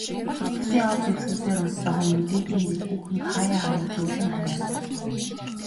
Тус тусын ор дэвсгэр дээр унтсан хойно, мэдээжийн хэрэг хүүхэн хааяа хааяа зөөлөн ханиана.